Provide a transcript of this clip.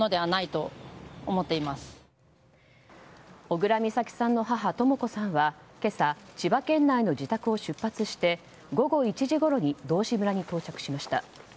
小倉美咲さんの母とも子さんは今朝、千葉県内の自宅を出発して午後１時ごろに道志村に到着しました。